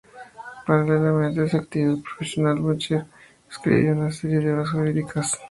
Paralelamente a su actividad profesional, Boucher escribió una serie de obras jurídicas.